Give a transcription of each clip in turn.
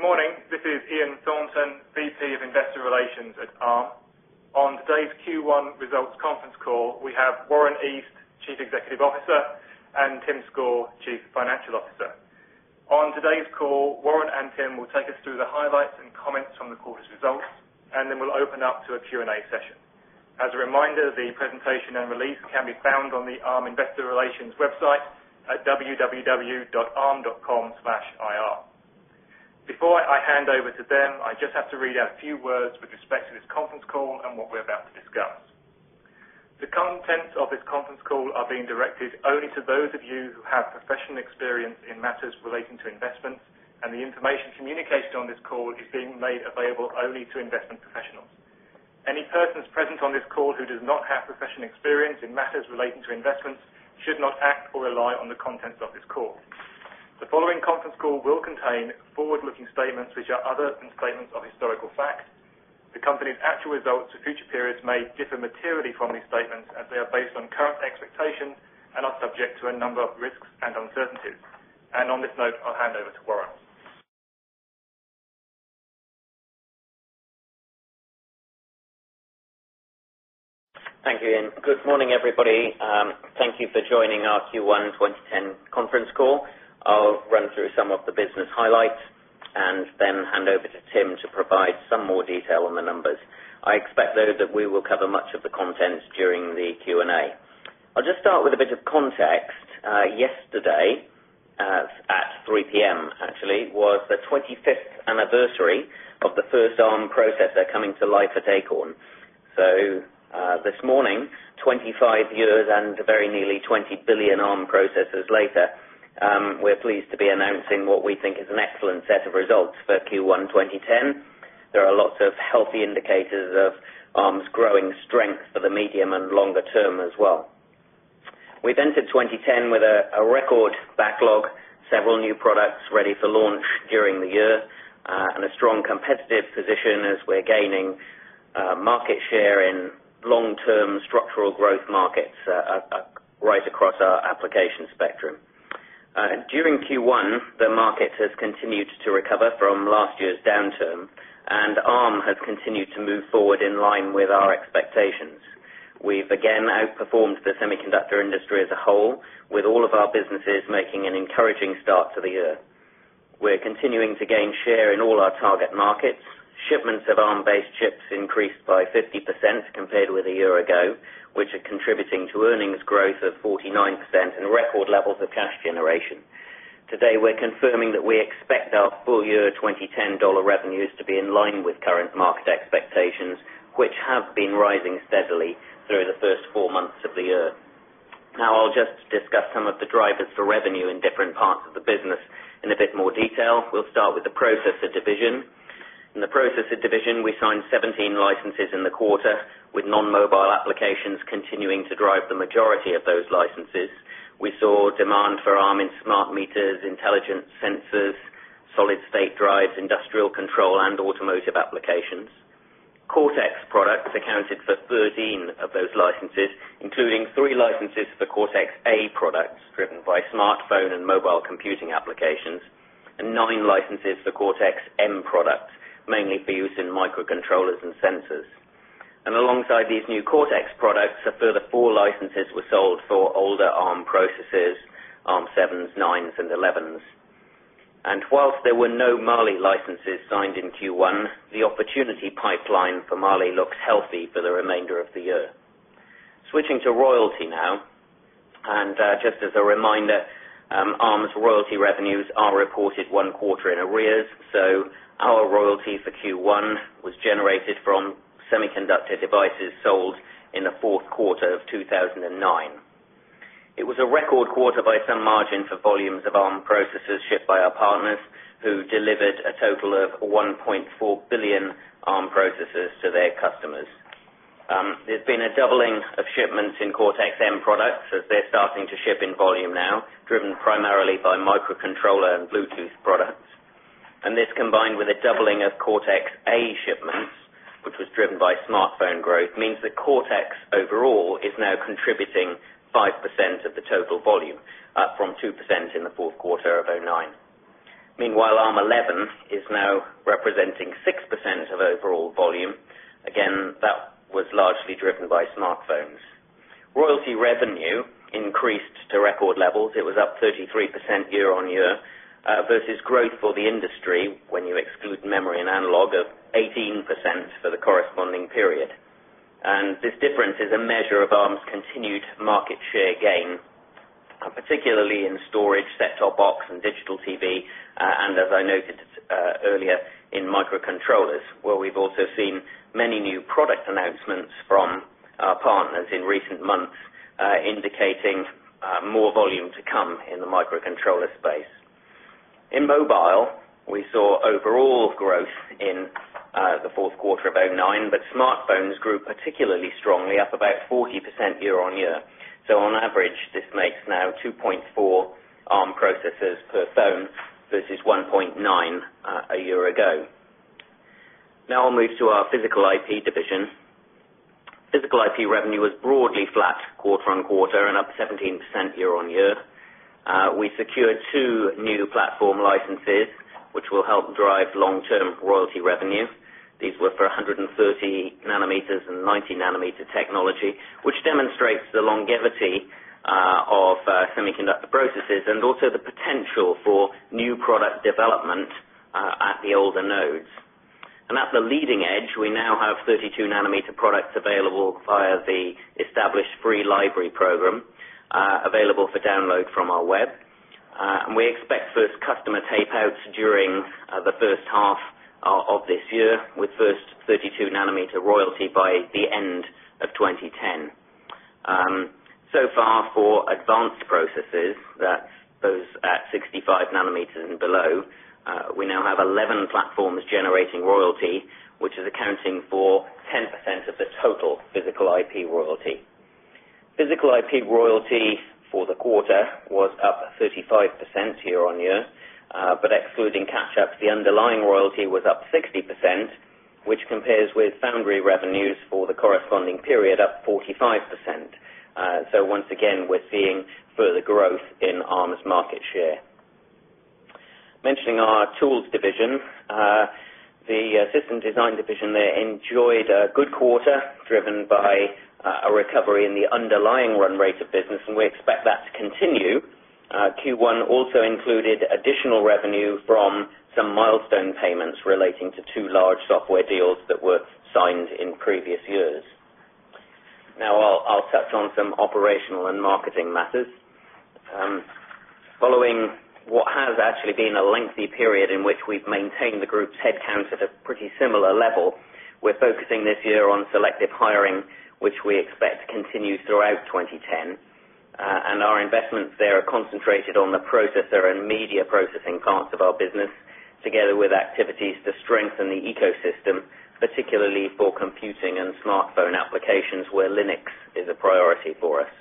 Thank you very much indeed. Good morning. This is Ian Thornton, VP of Investor Relations at R. On today's Q1 results conference call, we have Warren East, Chief Executive Officer and Tim Score, Chief Financial Officer. On today's call, Warren and Tim will take us through the highlights and comments from the quarter's results, and then we'll open up to a Q and A session. As a reminder, the presentation and release can be found on the ARM Investor Relations website at www.arm.com/ir. Before I hand over to them, I just have to read out a few words with respect to this conference call and what we're about to discuss. The contents of this conference call are being directed only to those of you who have professional experience in matters relating to investments, and the information communicated on this call is being made available only to investment professionals. Any persons present on this call who does not have professional experience in matters relating to investments should not act or rely on the contents of this call. The following conference call will contain forward looking statements, which are other than statements of historical fact, The company's actual results of future periods may differ materially from these statements as they are based on current expectations and are subject to a number of risks and uncertainties. And on this note, I'll hand over to Warren. Thank you, Ian. Good morning, everybody. Thank you for joining our Q1 2010 conference call. I'll run through some of the business highlights and then hand over to Tim to provide some more detail on the numbers. I expect though that we will cover much the content during the Q And A. I'll just start with a bit of context yesterday at 3 pm actually was the 25th anniversary of the first arm process that coming to life at Acorn. So this morning, twenty five years and very nearly 1,000,000,000 on processes later, we're pleased to be announcing what we think an excellent set of results for Q1 twenty ten. There are lots of healthy indicators of arms growing strength for the medium and longer term as well. We've entered 2010 with a record backlog, several new products ready for launch during the year and a strong competitive position as we're gaining market share in long term structural growth markets right across our application spectrum. During Q1, the market has continued to recover from last year's downturn and ARM has continued to move forward in line with our expectations. We've again outperformed the semiconductor industry as a whole with all of our businesses making an encouraging start to the year. We're continuing to gain share in all our target markets. Shipments of ARM based chips increased by 50% compared with a year ago, which are contributing to earnings expect our full year $20.10 revenues to be in line with current market expectations which have been rising steadily through the 1st 4 months of the year. Now I'll just discuss some of the drivers for revenue in different parts of the business. In a bit more detail, we'll start with the process of division In the Processed Division, we signed 17 licenses in the quarter with non mobile applications continuing to drive the majority of those licenses We saw demand for arming smart meters, intelligence sensors, solid state drives industrial control and automotive applications. Cortex products accounted for 13 of those licenses, including 3 licenses for Cortex A products, driven by smartphone and mobile computing applications and 9 licenses for Cortex M products mainly for use in microcontrollers and sensors. And alongside these new CortEx products, a further 4 licenses were sold for older armed processes, armed sevens, nines and elevens. And whilst there were no Mali licenses signed in Q1, the opportunity pipeline for Mali looks healthy for the remainder of the year. Switching to royalty now. And just as a reminder, Arm's royalty revenues are reported 1 quarter in arrears. So Our royalty for Q1 was generated from semiconductor devices sold in the fourth quarter of 2009. It was a record quarter by some margin for volumes of ARM Processes shipped by our partners who delivered a total of 1,400,000,000 on processes to their customers. There's been a doubling of shipments in Cortex M products that they're starting to ship in volume now. Driven primarily by microcontroller and Bluetooth products. And this combined with the doubling of Cortex A Shipments, which was driven by smartphone growth means that Cortex overall is now contributing 5% of the total volume, up from 2% in the fourth quarter of 'nine. Meanwhile, arm 11 is now representing 6% of overall volume. Again, that was largely driven by smartphones. Royalty revenue increased to record levels. It was up 33% year on year versus growth for the industry when you exclude memory and analog 18% for the corresponding period. And this difference is a measure of arms continued market share gain. Particularly in storage, set top box and digital TV. And as I noted earlier, in microcontrollers, where we've also seen many new product announcements from our partners in recent months indicating more volume to come in the microcontroller space. In mobile, we saw overall growth in the fourth quarter of 'nine, but smartphones grew particularly strongly up about 40% year on year. So on average, this makes now 2.4 on processes per phone versus 1.9 a year ago. Now I'll move to our physical IP division. Physical IP revenue was broadly flat quarter on quarter and up 17% year on year. We secured 2 new platform licenses which will help drive long term royalty revenue. These were for 130 nanometers and 90 nanometer technology, which demonstrates the longevity of semiconductor processes and also the potential for new product development at the older nodes. And that's the leading edge. We now have 32 nanometer products available via the established free library program. Available for download from our web. And we expect first customer tape outs during the first half of this year with 1st 32 nanometer royalty by the end of 2010. So far for advanced processes that those at 65 nanometers and below, we now have 11 platforms generating royalty which is accounting for 10% of the total physical IP royalty. Physical IP royalty for the quarter was up 35 percent year on year, but excluding catch up, the underlying royalty was up 60%, which compares with foundry revenues for the corresponding period up 45%. So once again, we're seeing further growth in ARMOUR's market share. Mentioning our Tools division, the System Design Division there enjoyed a good quarter, driven by a recovery in the underlying run rate of business and we expect that to continue. Q1 also included additional revenue from some milestone payments relating to 2 large software deals that were signed in previous years. Now I'll touch on some operation and marketing matters. Following what has actually been a lengthy period in which we've maintained the group's headcount at a pretty similar level, We're focusing this year on selective rated on the process there and media processing parts of our business together with activities to strengthen the ecosystem, particularly for computing and smartphone application where Linux is a priority for us.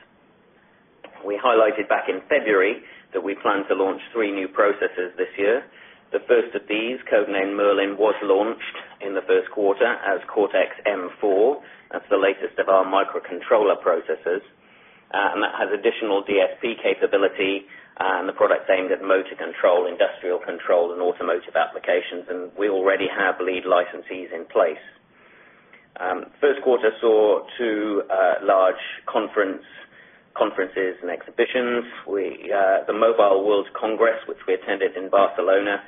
We highlighted back in February that we plan to launch 3 new processes this year, The first of these code name Merlin was launched in the first quarter as Cortex M4. That's the latest of our microcontroller processes. And that has additional DSP capability and the product is aimed at motor control, industrial control and automotive applications. And we already have lead license seas in place. 1st quarter saw 2 large conference conferences and submissions. The Mobile World Congress, which we attended in Barcelona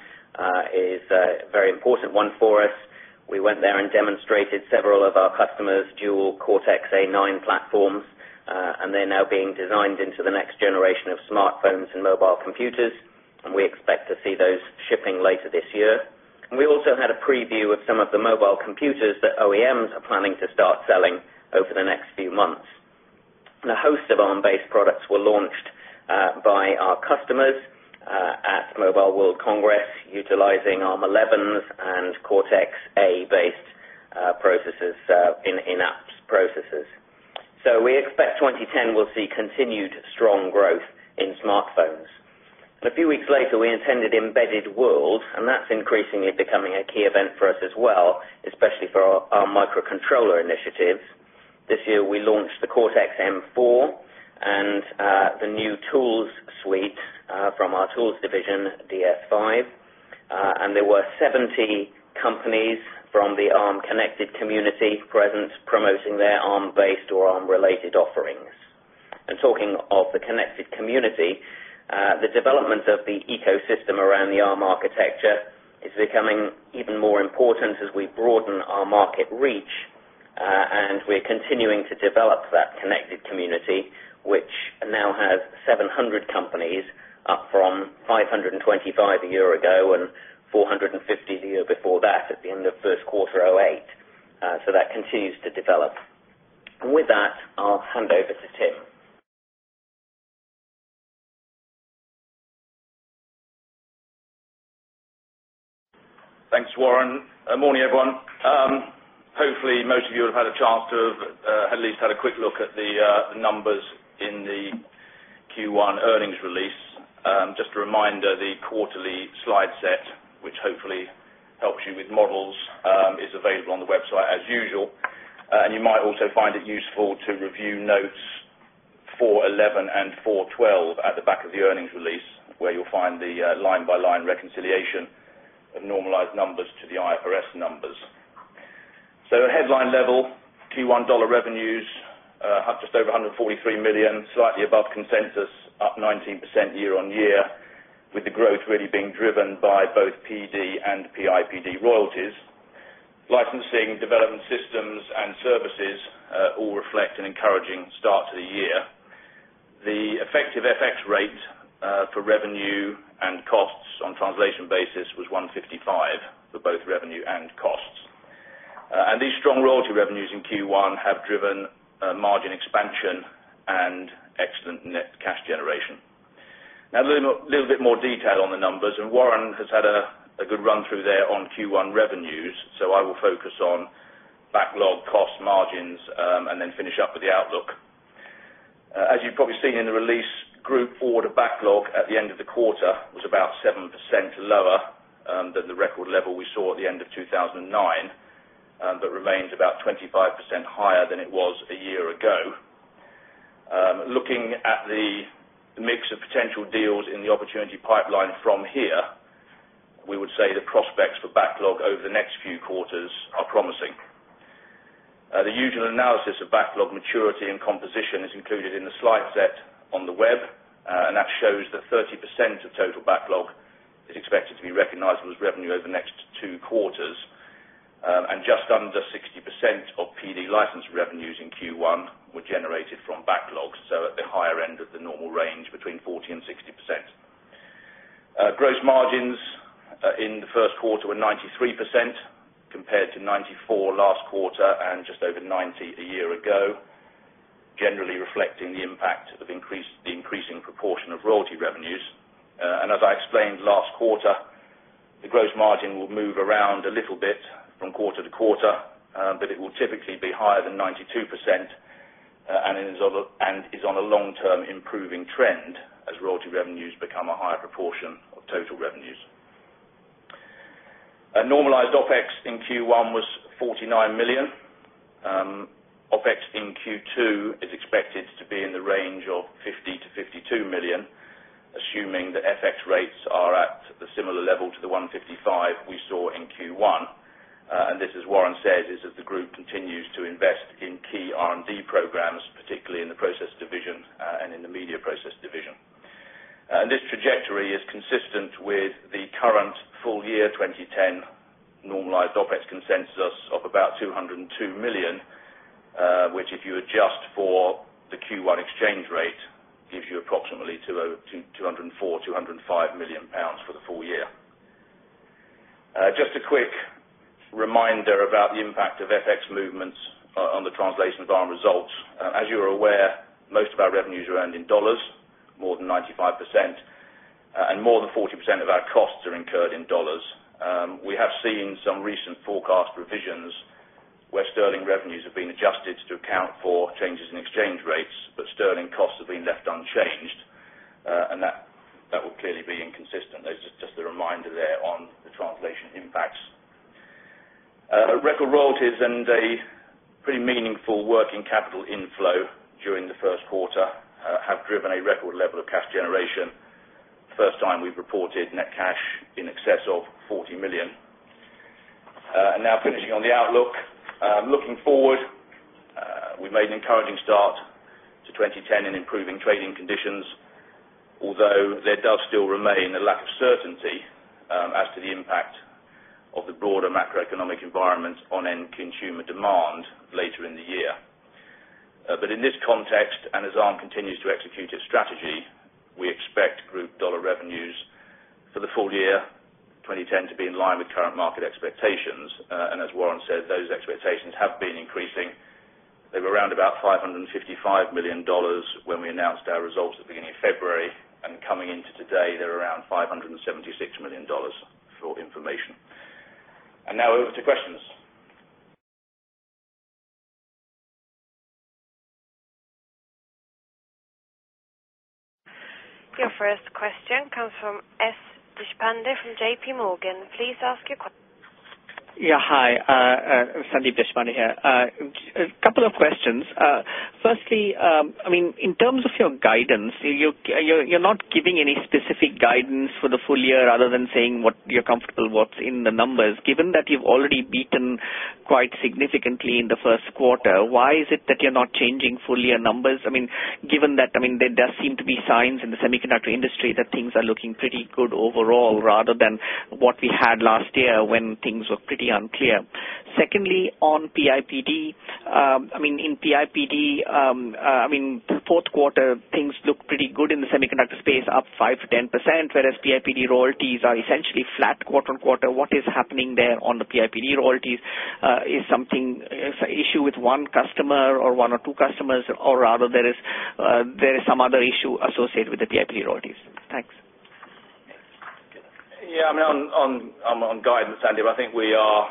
is a very important one for us. We went there and demonstrated several of our customers dual cortex A9 platforms and they're now being designed into the next generation of smartphones and mobile computers. And we expect to see those shipping later this year. And we also had a preview of some of the mobile computers that OEMs are planning to start selling over the next few months. The host of ARM based products were launched by our customers at Mobile World Congress, utilizing our elevens and core tech a based processes in apps processes. So we expect 2010 will see continued strong growth in smartphones. And a few weeks later, we intended embedded world, and that's increasingly becoming a key event for us as well, especially for our microcontroller initiatives. This year, we launched the Cortex M4 and the new tools suite from our tools division, DS5. And there were 70 companies from the armed connected community presence promoting their arm based or arm related offerings. And talking of the connected community, the development of the ecosystem around the ARM architecture becoming even more important as we broaden our market reach and we're continuing to develop that connected community. Which now has 700 companies up from 525 a year ago and 4 50 the year before that at the end of first quarter 'eight. So that continues to develop. With that, I'll hand over to Tim. Thanks Warren. Good morning, everyone. Hopefully, most of you have had a chance to have at least had a quick look at the numbers in the Q1 earnings release Just a reminder, the quarterly slide set, which hopefully helps you with models is available on the website as usual. And you might also find it useful to review notes for 11 and 412 at the back of the earnings release where you'll find the line by line reconciliation of normalized numbers to the IRS numbers. So at headline level, Q1 dollar revenues up just over 143,000,000 slightly above consensus up 19% year on year. With the growth really being driven by both PD and PIPD royalties. Licensing development systems and services all reflect an encouraging start to the year. The effective FX rate for revenue and costs on translation basis was 1 55 for both revenue and costs. And these strong royalty revenues in Q1 have driven margin expansion and excellent net cash generation. Now a little bit more detail on the numbers. And Warren has had a good run through there on Q1 revenues. So I will focus on backlog cost margins and then finish up with the outlook. As you've probably seen in the release, group order backlog at the end of the quarter was about 7% lower than the record level we saw at the end of 2009. But remains about 25% higher than it was a year ago. Looking at the mix potential deals in the opportunity pipeline from here, we would say the prospects for backlog over the next few quarters are promising The usual analysis of backlog maturity and composition is included in the slide set on the web, and that shows that 30% of total backlog expected to be recognized as revenue over the next two quarters and just under 60% of PD license revenues Q1 were generated from backlogs. So at the higher end of the normal range between 40% 60%. Gross margins in the first quarter were 93% compared to 94% last quarter and just over 90 a year ago. Generally reflecting the impact of increase the increasing proportion of royalty revenues. And as I explained last quarter, the gross margin will move around a little bit from quarter to quarter, but it will typically be higher than 92% and is on a long term improving trend as royalty revenues become a higher proportion of total revenues Our normalized OpEx in Q1 was $49,000,000. OpEx in Q2 is expected to be in the range of $50,000,000 to $52,000,000 assuming that FX rates are at the similar level to the $155,000,000 we saw in Q1. And this is Warren says is that the group continues to invest in key R and D programs, particularly in the process division and in the media process division. This trajectory is consistent with the current full year 2010 normalized OpEx consensus of about 202,000,000 which if you adjust for the Q1 exchange rate gives you approximately 204000000 to 1000000 for the full year. Just a quick reminder about the impact of FX movements on the translation of our results. As you're aware, most of our revenues were earned in dollars, more than 95% and more than 40% of our costs are incurred in dollars. We have seen some recent forecast provisions where sterling revenues have been adjusted to account for changes in exchange rates, but sterling costs have been left unchanged And that will clearly be inconsistent. That's just a reminder there on the translation impacts. Record royalties and a pretty meaningful working capital inflow during the first quarter have driven a record level of cash generation. First time we've reported net cash in excess of 1,000,000. And now finishing on the outlook, looking forward we made an encouraging start to 2010 in improving trading conditions, although there does still remain a lack of certainty as to the impact of the broader macroeconomic environment on end consumer demand later in the year. But in this context and as Arm continues to execute its strategy, we expect group dollar revenues for the full year. 2010 to be in line with current market expectations. And as Warren said, those expectations have been increasing. They were around about $555,000,000 when we announced our results at the beginning of February and coming into today, they're around $576,000,000 for information. And now over to questions. Your first question comes from S Deshpanda from JP Morgan. Please ask your question. Yeah, hi. Sandeep Deshpani here. A couple of questions. Firstly, I mean, in terms of your guidance, you're not giving any specific guidance for the full year rather than saying what you're comfortable, what's in the numbers given that you've already beaten quite significantly in the first quarter, why is it that you're not changing full year numbers? I mean, given that, I mean, there does seem to be signs in the semiconductor industry that things are looking pretty good overall rather than what we had last year when things were pretty unclear. Secondly, on PIPD, I mean, in PIPD, I mean, fourth quarter, things look pretty good in the semiconductor space, up 5% to 10 whereas PIPD royalties are essentially flat quarter on quarter. What is happening there on the PIPD royalties is something issue with one customer or 1 or 2 customers or rather there is there is some other issue associated with the Tier 3 royalties? Thanks. Yes, I mean, on guidance, Sandeep, I think we are,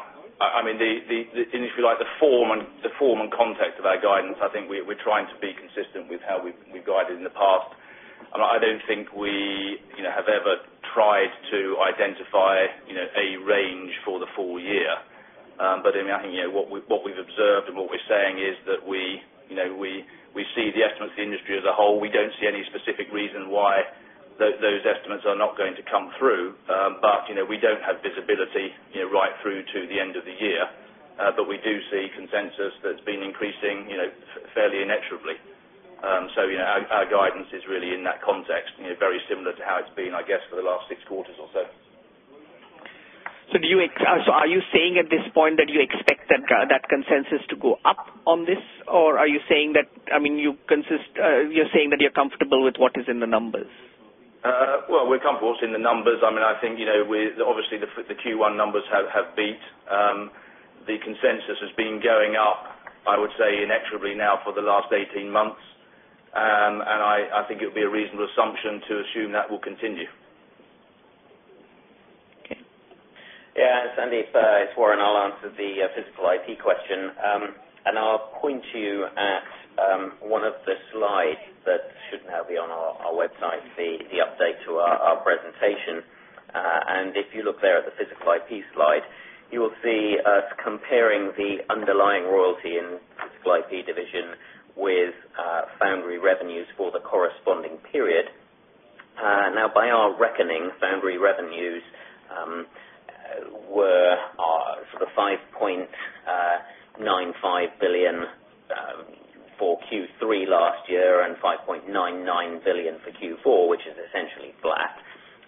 I mean, the industry like the form and the form and context of our guidance, I think we're trying to be with how we've guided in the past. I don't think we have ever tried to identify a range for the full year But I mean, I think what we've observed and what we're saying is that we see the estimates of industry as a whole. We don't see any specific reason why those estimates are not going to come through, but we don't have visibility right through to the end of the year, but we do see consensus that's been increasing fairly and iterably. So our guidance is really in that context, very similar to how it's been, I guess, for the last six quarters or so. So do you so are you saying at this point that you expect that consensus to go up on this or are you saying that I mean, you consist you're saying that you're comfortable with what is in the numbers? Well, we're comfortable in the numbers. I mean, I think, obviously, the Q1 numbers have been The consensus has been going up, I would say, inevitably now for the last 18 months. And I think it would be a reasonable assumption to assume that will Tinjoo. Yes, Sandeep, it's Warren. I'll answer the physical IP question. And I'll point you at, one of the slides that should now be on our website, the update to our presentation And if you look there at the physical IP slide, you will see us comparing the underlying royalty in the supply P division with foundry revenues for the corresponding period. And now by our reckoning foundry revenues, were for the $5,950,000,000 4Q last year and 5,990,000,000 for Q4, which is essentially flat.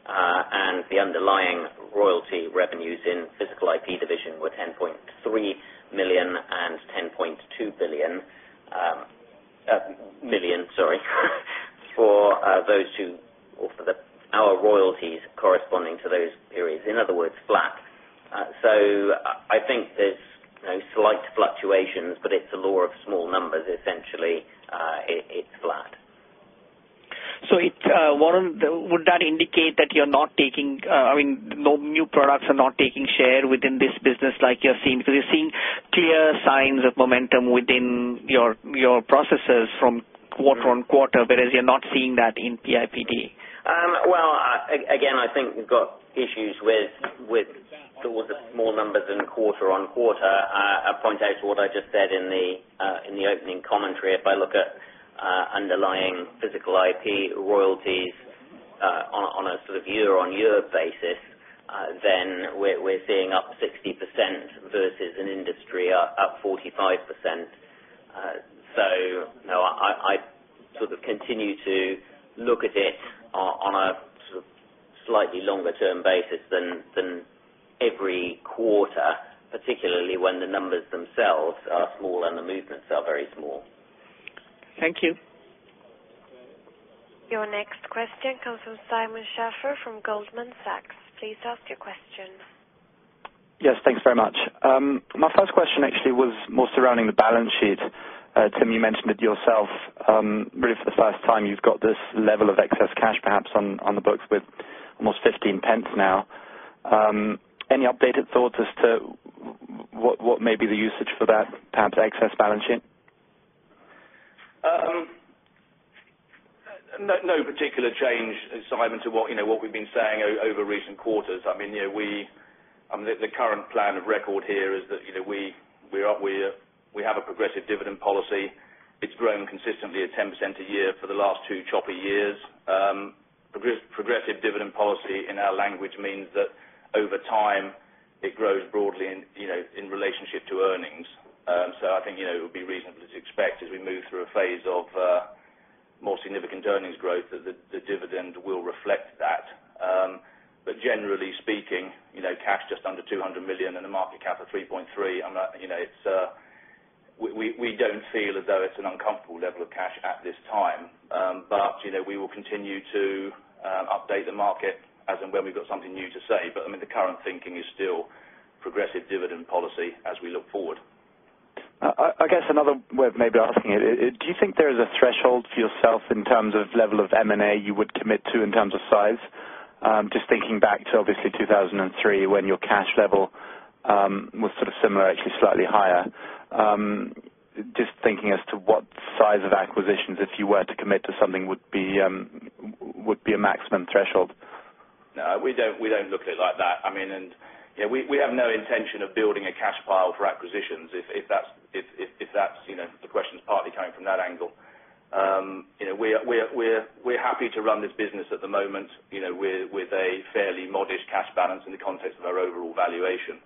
And the underlying royalty revenues in IP division were 10,300,000 10,200,000,001,000,000, sorry, for those who or for the our royalties corresponding to those periods. In other words, flat. So I think there's slight fluctuations, but it's a lower of small numbers essentially. It's flat. So it's would that indicate that you're not taking, I mean, no new products are not taking share within this business like you're seeing, because you're seeing clear signs of momentum within your processes from quarter on quarter, whereas you're not seeing that in PIPD? Well, again, I think we've got issues with more numbers in the quarter on quarter, I'll point out what I just said in the in the opening commentary, if I look at underlying physical IP Royalties on a sort of year on year basis, then we're seeing up 60% versus an industry up 45%. So sort of continue to look at it on a slightly longer term basis than every quarter, particularly when the numbers themselves are small and the movements are very small. Your next question comes from Simon Schafer from Goldman Sachs. Please ask your question. Yes, thanks very much. My first question actually was more surrounding the balance sheet. Tim, you mentioned it yourself. Really for the first time, you've got this level of excess cash perhaps on the books with almost 15p now. Any updated thoughts as to what may be the usage for that PAM's excess balance sheet? No particular change, Simon, to what we've been saying over recent quarters. I mean, we the current plan of record here is that we we have a progressive dividend policy. It's growing consistently at 10% a year for the last 2 choppy years. Progressive dividend policy in our language means that over time, it grows broadly in relation shift to earnings. And so I think it would be reasonable to expect as we move through a phase of more significant earnings growth that the dividend will reflect that But generally speaking, cash just under $200,000,000 in the market cap of $3,300,000,000. It's we don't feel as though it's an uncomfortable level of cash at this time. But we will continue to update the market and when we've got something new to say, but I mean, the current thinking is still progressive dividend policy as we look forward. I guess another way of maybe asking it, do you think there is threshold for yourself in terms of level of M and A you would commit to in terms of size? I'm just thinking back to obviously 2003 when your cash level was sort of similar actually slightly higher. Just thinking as to what size of acquisitions, if you were to commit to something would be would be a maximum threshold? No, we don't look at it like that. I mean, we have no intention of building a cash pile for acquisitions if that's if that's the question is partly coming from that angle. We're happy to run this business at the moment. With a fairly modest cash balance in the context of our overall valuation.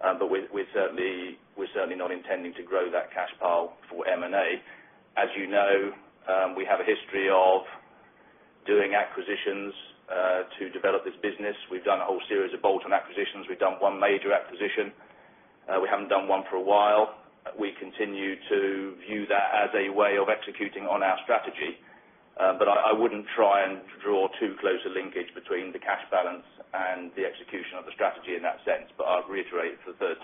But we're certainly not intending to grow that cash pile for M and A. As you know, we have a history of doing acquisitions to develop this business. We've done a whole series of bolt positions. We've done one major acquisition. We haven't done one for a while. We continue to view that as a way of executing on our strategy. But I wouldn't try and draw too close a linkage between the cash balance and the execution of the strategy in that sense, but I've reiterated for the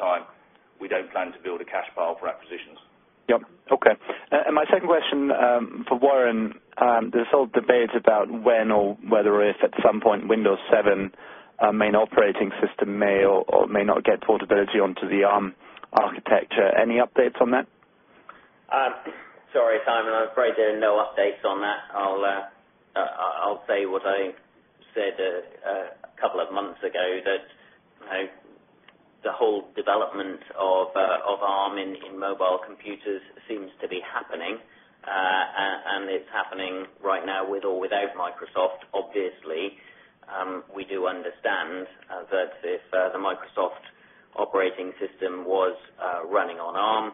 third time. We don't plan to build a cash file for acquisitions. Yes. Okay. And my second question, for Warren, there's all debates about when or whether it's some point, Windows 7 may not be operating system may or may not get portability onto the architecture. Any updates on that? Sorry, Simon. I'm afraid there are no updates on that. I'll say what I said a couple of months ago that the whole development of ARM in mobile computers seems to be happening. And it's happening right now with or without Microsoft. Obviously, we do understand that if the Microsoft operating system was running on our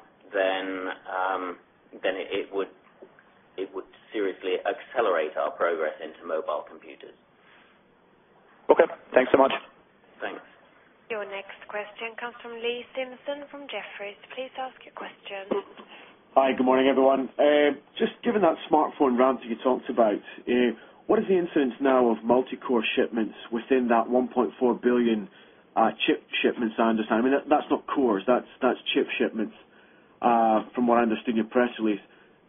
computers. Your next question comes from Lee Simpson from Jefferies. Please ask your question. Hi, good morning, everyone. Just given that smartphone ramp that you talked about, what is the incidence now of multicore shipments within that 1,400,000,000 chip shipments. I mean, that's not cores. That's chip shipments, from what I understand your press release.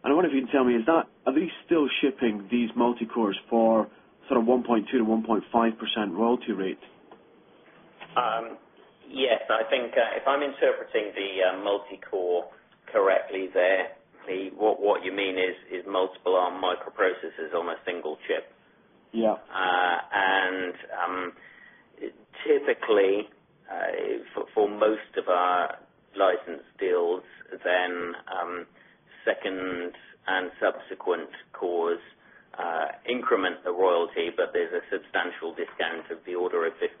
And I wonder if you can tell me, is are these still shipping these multi cores for sort of 1.2to1.5percent royalty rate? Yes. I think if I'm interpreting the multicore correctly there, what you mean is multiple on microprocesses is almost single chip. Yeah. And typically, for most of our license deals, then, 2nd and subsequent cause increment the royalty, but there's a substantial discount of the order of 50%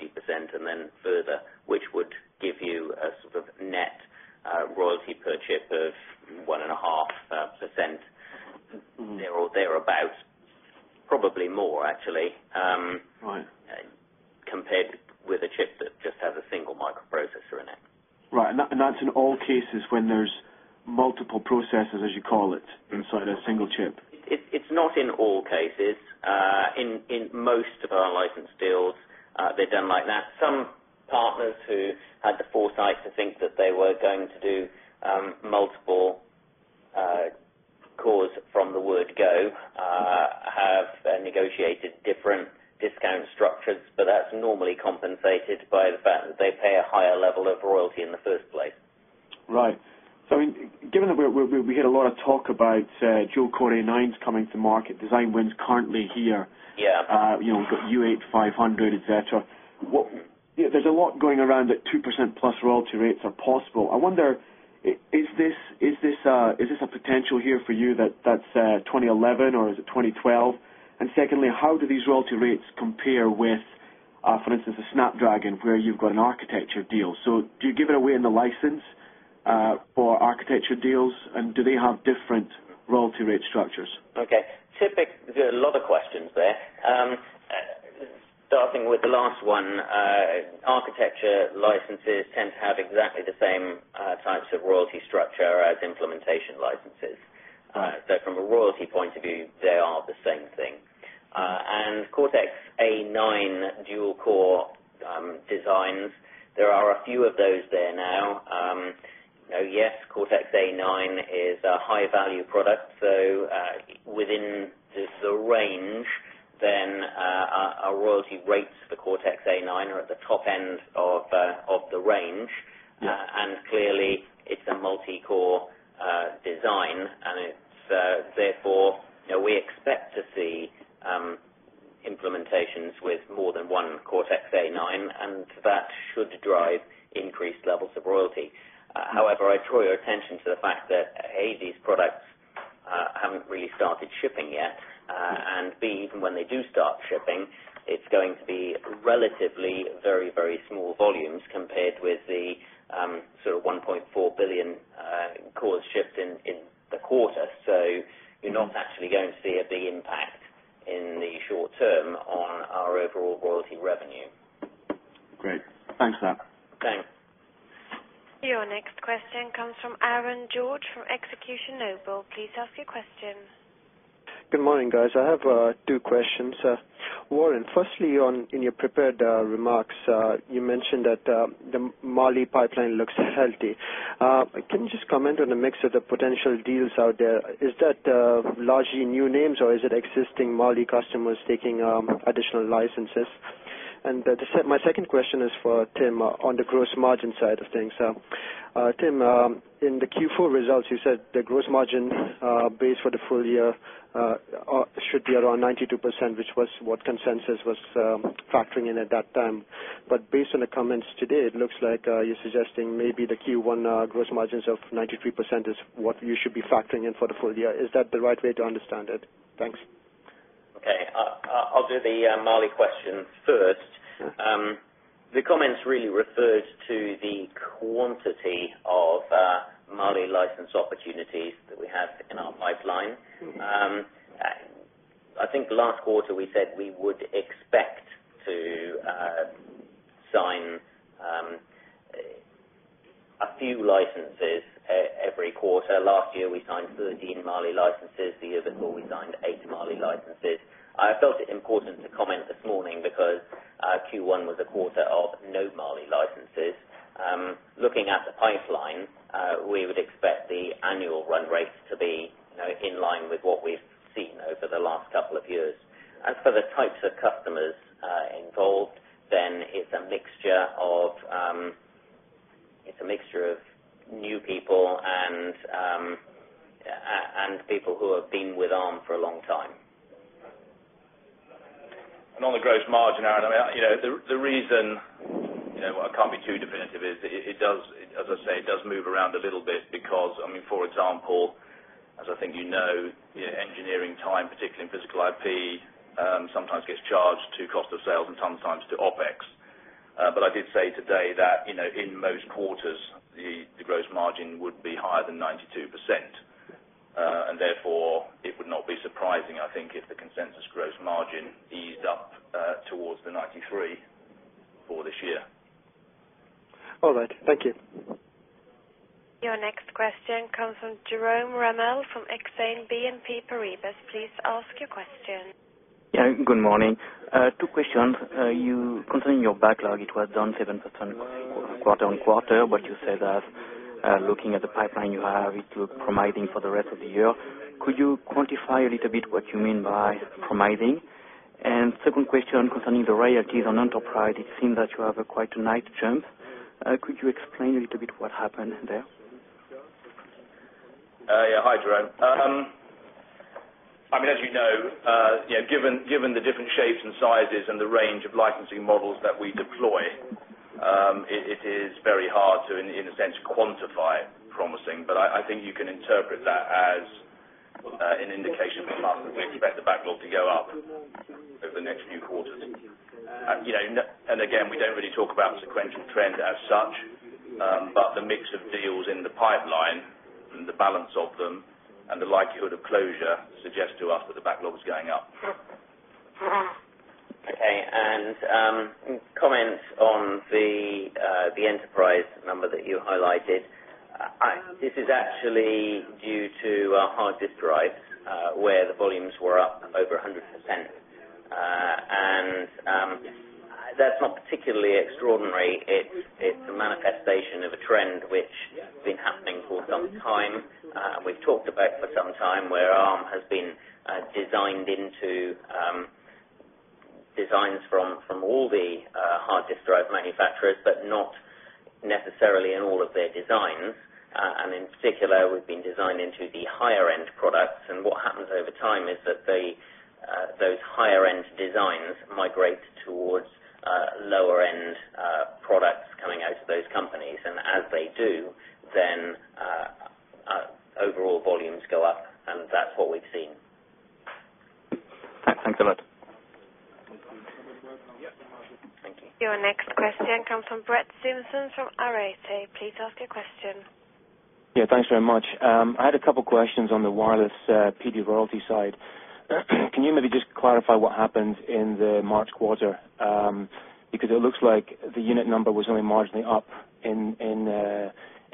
and then further, which would give you a sort of net royalty per chip of 1.5 percent. They're about probably more, actually. Compared with a chip that just has a single microprocessor in it. Right. And that's in all cases when there's multiple processes, as you call it, inside a single chip. It's not in all cases, in most of our license deals, they've done like that. Some partners who had the foresight to think that they were going to do multiple, cause from the word go. Have negotiated different discount structures, but that's normally compensated by the fact that they pay a higher level of royalty in the first place. Right. So I mean, given that we had a lot of talk about Joe Corning Nine's coming to market design wins currently here, Yeah. You got UH500, etcetera. There's a lot going around at 2% plus royalty rates are possible. I wonder Is this a potential here for you that that's 2011 or is it 2012? And secondly, how do these royalty rates compare with for instance, a snapdragon where you've got an architecture deal. So do you give it away in the license, or architecture deals? And do they have different royalty rate structures. Okay. Typically, there are a lot of questions there. Starting with the last one, architecture licenses tend to have exactly the same types of royalty structure as implementation licenses. So from a royalty point of view, they are the same thing. And core X A9 dual core designs There are a few of those there now. Yes, Cortex A9 is a high value product. So it's within this range, then our royalty rates for the CorteX A9 are at the top end of the range. And clearly, it's a multi core design and it's therefore we expect to see implementations with more than 1 core XA9 and that should drive increased levels of royalty. However, I draw your attention to the fact that Haiti's products haven't really started shipping yet. And even when they do start shipping, it's going to be relatively very, very small volumes compared with the sort of $1,400,000,000 cost shift in the quarter. So you're not actually going to see a big impact in the short term Your next question comes from Aaron George from execution Noble. Please ask your question. Good morning guys. I have two questions. Warren, firstly on in your prepared remarks, you mentioned that the Mali pipeline looks healthy. Can you just comment on the mix of the potential deals out there? Is that largely new names or is it existing Moly customers taking additional licenses? And my second question is for Tim on the gross margin side of things. So Tim, in the Q4 results, you said a gross margin base for the full year should be around 92%, which was what consensus was factoring in at that time. But based on the comments today, it looks like you're suggesting maybe the Q1 gross margins of 93% is what you should be factoring in for the full year. Is that the right way to understand it? Thanks. Okay. I'll do the Marley question first. The comments really refers to the quantity of Mali license opportunities that we have in our pipeline. I think last quarter, we said we would expect to sign a few licenses every quarter. Last year, we signed 13 Marley licenses, the year before we signed 8 Marley licenses. I felt it important comment this morning because our Q1 was a quarter of no Marley licenses. Looking at the pipeline, we would expect the annual run rates to be in line with what we've seen over the last couple of years. And for the types of customers involved, then it's a mixture of it's a mixture of new people and and people who have been with Arm for a long time. And on the gross margin, Aaron, the reason I can't be too definitive. It does, as I say, it does move around a little bit because, I mean, for example, as I think you know, engineering time, particularly in physical IP, sometimes gets charged to cost of sales and sometimes to OpEx. But I did say today that in most quarters, the gross margin would be higher than 92%. And therefore, it would not be surprising. I think if the consensus gross margin these up towards the 93% for this year. Your next question comes from Jerome Rommel from Exane BNP Paribas. Please ask your question. Two questions. You concerning your backlog, it was down 7% quarter on quarter, but you said that looking at the pipeline you have, it providing for the rest of the year. Could you quantify a little bit what you mean by providing? And second question concerning the royalties on enterprise seen that you have a quite a nice jump. Could you explain a little bit what happened there? I mean, as you know, given the different shapes and sizes and the range of licensing models that we deploy, It is very hard to in a sense quantify promising, but I think you can interpret that as an indication for us that we expect the backlog to go up over the next few quarters. And again, we don't really talk about sequential trend as such. But the mix of deals in the pipeline and the balance of them and the likelihood of closure suggests to us that the backlog is going up. Okay. And comments on the enterprise number that you highlighted This is actually due to hard disk drives where the volumes were up over 100%. And that's not particularly extraordinary. It's a manifestation of a trend which has been happening for some time We've talked about for some time where Arm has been designed into designs from all the hard drive manufacturers, but not necessarily in all of their designs. And in particular, we've been designed into the higher end products. And what happens over time is that they those higher end designs migrate towards lower end products coming out of those companies. And as they do, then overall volumes go up and that's what we've seen. Thanks a lot. Your next question comes from Brett Simpson from R. Yes, thanks very much. I had a couple of questions on the wireless PD royalty side. Can you maybe clarify what happened in the March quarter, because it looks like the unit number was only marginally up in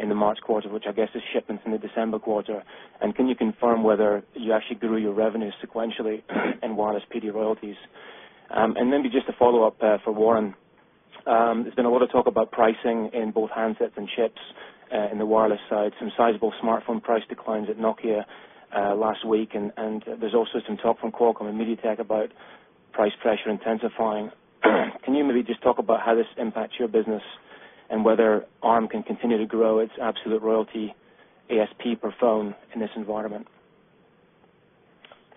the March quarter, which I guess is shipments in the December quarter. And can you confirm whether you actually grew your revenues sequentially in wireless PD royalties? And maybe just a follow-up for Warren. There's been a lot of talk about pricing in both handsets and chips in the wireless side, some sizable smartphone price lines at Nokia last week. And there's also some talk from Qualcomm and Media Tech about price pressure intensifying Can you maybe just talk about how this impacts your business and whether Arm can continue to grow its absolute royalty ASP per phone in this environment?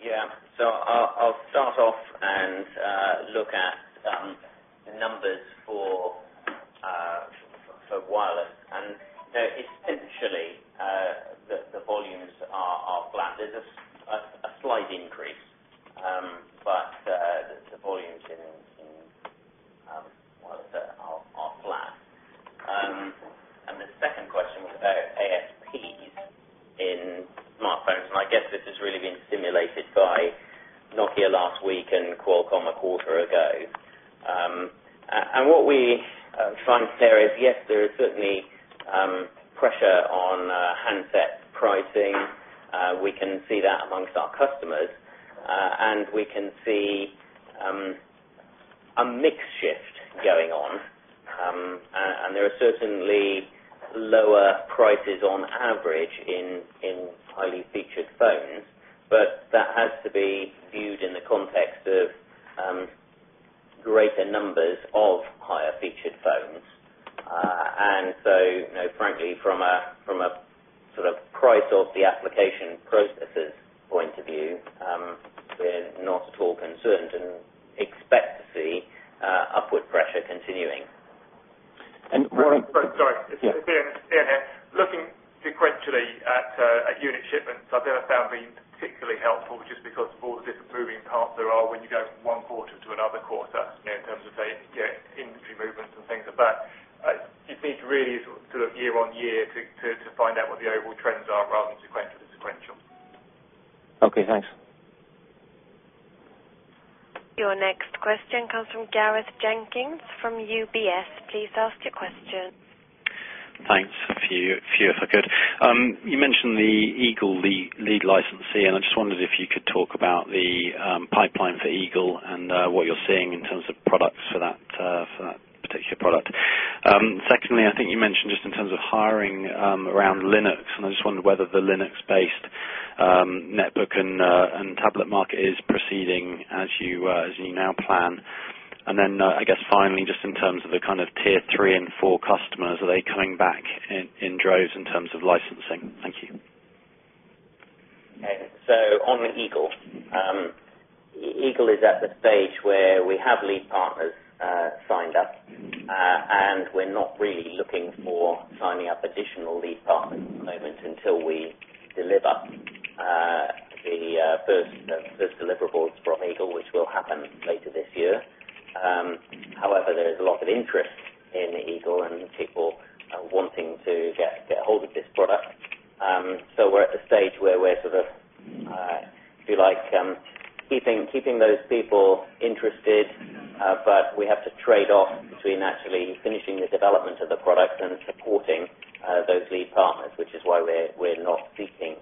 Yes. So I'll start off and look at some numbers for wireless. And essentially, the volumes are flat. There's a slight increase but the volumes in, was off land. And the second question was about ASPs in smartphones. And I guess this has really been stimulated by Nokia last week and Qualcomm a quarter ago. And what we are trying to say is, yes, there is certainly pressure on handset pricing, we can see that amongst our customers. And we can see a mix shift going on. And there are certainly lower prices on average in in highly featured phones, but that has to be viewed in the context of greater numbers of higher featured phones. And so frankly from a sort of price of the application processes point of view, we're not at all concerned and expect to see upward pressure continuing. Looking sequentially at unit shipments. I think that sounds particularly helpful, which is because of all the disapproving costs there are when you go one quarter to another quarter. Terms of the industry movements and things of that. It means really sort of year on year to find out what the overall trends are rather than sequential. Okay, thanks. Your next question comes from Gareth Jenkins from UBS. Thanks. A few, if I could. You mentioned the Eagle lead licensing, and I just wondered if you could talk about the pipeline for Eagle what you're seeing in terms of products for that particular product? Secondly, I think you mentioned just in terms of hiring around Linux, and I just wonder whether the based, net book and tablet market is proceeding as you now plan? And then, I guess, finally, in terms of the kind of Tier 3 and 4 customers? Are they coming back in droves in terms of licensing? Okay. So on the Eagle, Eagle is at the stage where we have lead partners signed up and we're not really looking for signing up additional lead partners at the moment until we deliver the deliverables from Eagle, which will happen later this year. However, there is a lot of interest in the Eagle and people wanting to get hold of this product. So we're at the stage where we're sort of if you like, keeping those people interested, but we have to trade off between actually finishing the development of the product and supporting those lead partners, which is why we're not seeking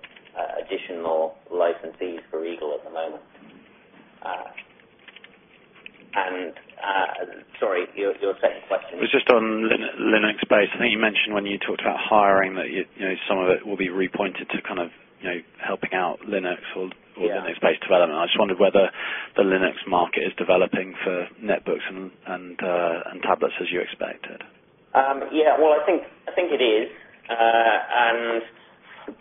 additional licensees for Eagle at the moment. And sorry, your second question. It was just on Linux based. I think you mentioned when you talked about hiring that some of it will be repointed to kind of helping out Linux or Linux based development. I just wondered whether the Linux market is developing for netbooks and tablets as you expected. Yes. Well, I think it is. And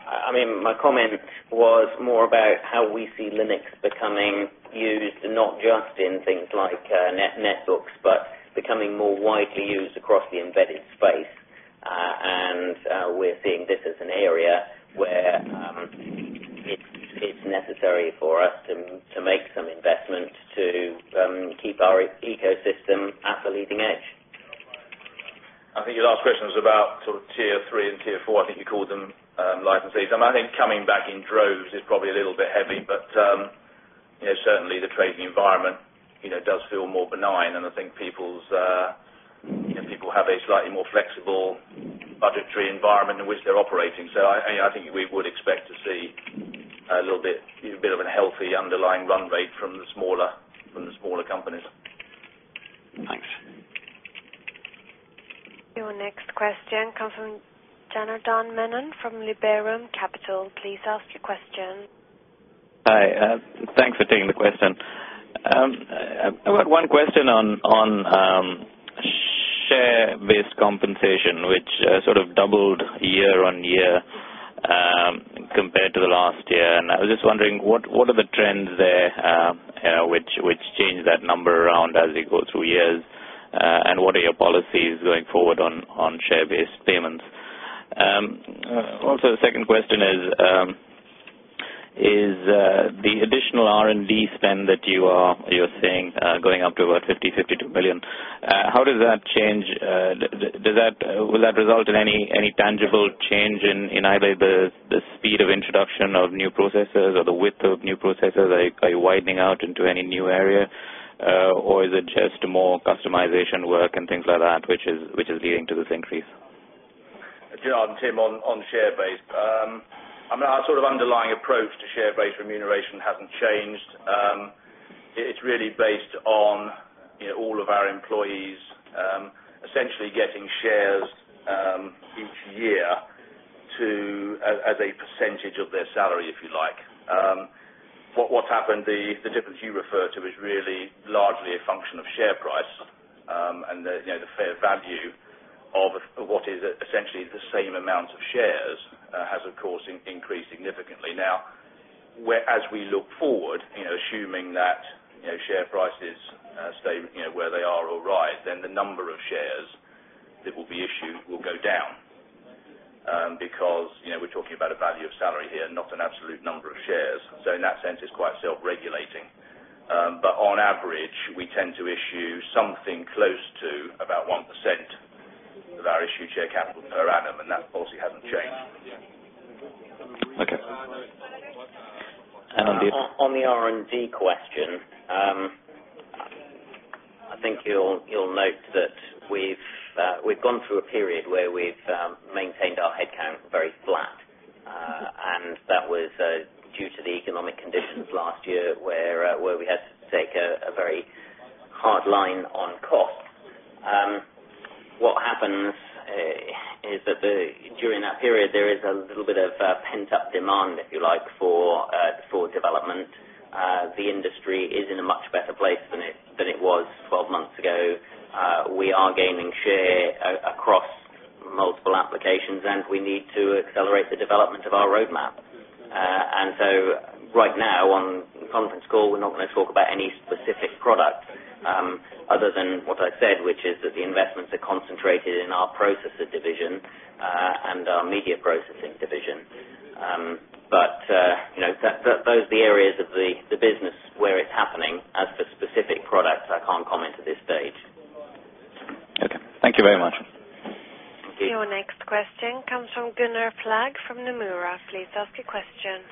I mean, my comment was more about how we see Linux becoming used and not just in things like net netbooks, but becoming more widely used across the embedded space. And we're seeing this as an area where it's necessary for us to make some investment to keep our ecosystem at the leading edge? I think your last question was about sort of Tier 3 and Tier 4. I think you called them license fees. And I think coming back in droves is probably a little bit heavy, but certainly the trading environment does feel more benign and I think people's people have a slightly more flexible budgetary environment in which they're operating. So I think we would expect to see a little bit of a healthy underlying run rate from the smaller from the smaller companies. Your next question comes from Jonathan Menon from Liberum Capital. Please ask your question. Hi, thanks for taking the question. One question on share based compensation, which sort of doubled year on year compared to the last year. And I was just wondering what are the trends there which changed that number around as we go through years. And what are your policies going forward on share based payments? Also, the second question is, is the additional R and D spend that you are you're seeing going up to about 1,000,000 dollars, $52,000,000. How does that change? Does that was that result in any tangible change in either the the speed of introduction of new processes or the width of new processes are you widening out into any new area? Or is it just more customization work and things like that, which is leading to this increase? Jonathan, on share based. I mean, our sort of underlying approach share based remuneration hasn't changed. It's really based on all of our employees essentially getting shares each year to as a percentage of their salary if you like. What happened, the difference you refer to is really largely a function of share price. And the fair value of what is essentially the same amount of shares has, of course, increased significantly. Now, as we look forward assuming that share prices stay where they are alright, then the number of shares that will be issued will go down. Because we're talking about a value of salary here, not an absolute number of shares. So in that sense, it's quite self regulating. But on average, we tend to issue something close to about 1% of our issued share capital per annum and that policy hasn't changed. Okay. On the R and D question, I think you'll note that we've we've gone through a period where we've maintained our headcount very flat. And that was due to the economic conditions last year where we had to take a very hard line on cost. What happens is that during that period, there is a little bit of pent up demand that you like for development the industry is in a much better place than it was 12 months ago. We are gaining share across multiple applications and we need to accelerate the development of our roadmap. And so right now on conference call, we're not going to talk about any specific product other than what I said, which is that the investments are concentrated in our Processor division and our Media Processing division. But those are the areas of the business where it's happening as for specific products. I can't comment at this stage. Your next question comes from Gunnar Flag from Nomura. Please ask your question.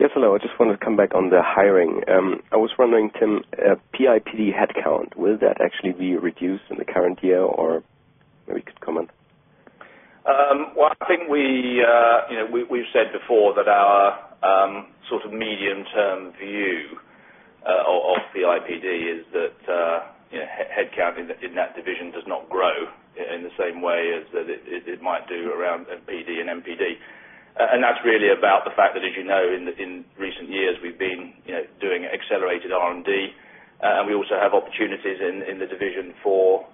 Yes, hello. I just wanted to come back on the hiring. I was wondering, Tim, a PIPD headcount will that actually be reduced in the current year or maybe you could comment? Well, I think we've said before that our sort of medium term view of the IPD is that headcount in that division does not grow in the same way as it might do around BD and MPD. And that's really about the fact that as you know, in recent years, we've been doing accelerated R and D. And we also have opportunities in the division for